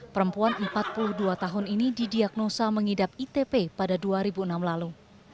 perempuan empat puluh dua tahun ini didiagnosa mengidap itp pada dua ribu enam lalu